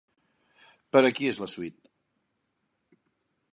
Per a qui és la suite?